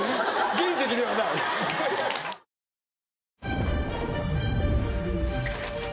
・原石ではない・お？